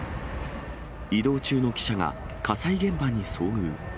移動中の記者が、火災現場に遭遇。